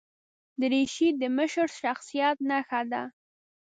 دریشي د مشر شخصیت نښه ده.